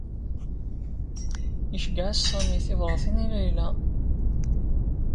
Iceyyeɛ-as Sami tibṛatin i Layla.